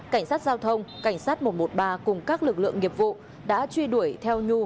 cảnh sát giao thông cảnh sát một trăm một mươi ba cùng các lực lượng nghiệp vụ đã truy đuổi theo nhu